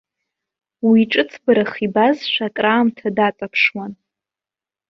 Уи ҿыцбарах ибазшәа акраамҭа даҵаԥшуан.